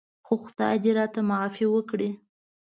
خو خدای دې راته معافي وکړي.